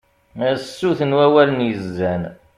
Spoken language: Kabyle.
a sut n wulawen yezzan